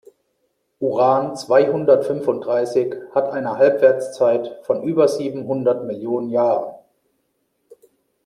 Uran-zweihundertfünfunddreißig hat eine Halbwertszeit von über siebenhundert Millionen Jahren.